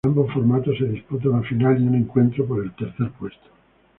En ambos formatos se disputa una final y un encuentro por el tercer puesto.